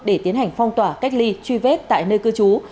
để tiến hành phong tỏa cách ly truy vết tại nơi cư trú